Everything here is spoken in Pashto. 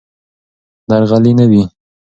درغلي نه وي.